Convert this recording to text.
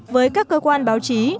với các cơ quan báo chí